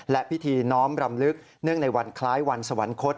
และพิธีน้อมรำลึกเนื่องในวันคล้ายวันสวรรคต